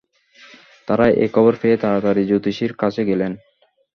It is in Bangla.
তাঁরা এই খবর পেয়ে তাড়াতাড়ি জ্যোতিষীর কাছে গেলেন।